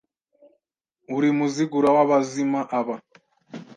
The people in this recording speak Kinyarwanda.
Uri Muzigura w' abazima aba